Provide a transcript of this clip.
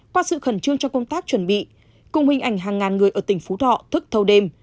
qua sự khẩn trương trong công tác chuẩn bị cùng hình ảnh hàng ngàn người ở tỉnh phú thọ thức thâu đêm